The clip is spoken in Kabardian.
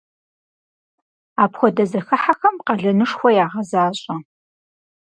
Апхуэдэ зэхыхьэхэм къалэнышхуэ ягъэзащӏэ.